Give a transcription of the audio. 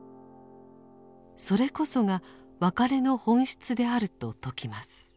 それこそが別れの本質であると説きます。